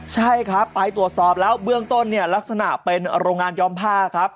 ใช่ครับไปตรวจสอบแล้วเบื้องต้นเนี่ยลักษณะเป็นโรงงานยอมผ้าครับ